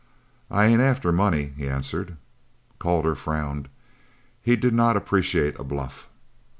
"I ain't after money," he answered. Calder frowned. He did not appreciate a bluff.